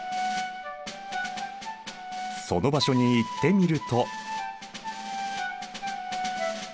その場所に行ってみると。